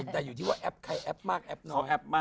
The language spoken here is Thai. แต่อยู่ที่ว่าแอปใครแอปมากแอปน้อย